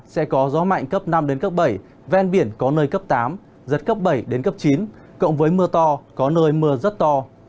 sẽ có gió mạnh cấp năm đến cấp bảy ven biển có nơi cấp tám giật cấp bảy đến cấp chín cộng với mưa to có nơi mưa rất to